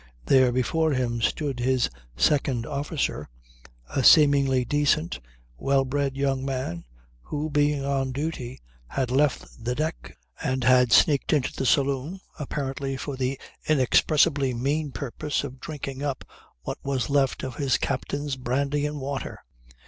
There, before him, stood his second officer, a seemingly decent, well bred young man, who, being on duty, had left the deck and had sneaked into the saloon, apparently for the inexpressibly mean purpose of drinking up what was left of his captain's brandy and water.